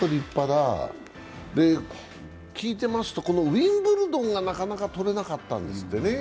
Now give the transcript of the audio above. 聞いていますとウィンブルドンがなかなか取れなかったんですってね。